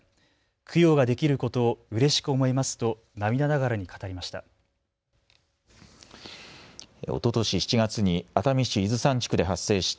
供養ができることをうれしく思いますと涙ながらに語りました。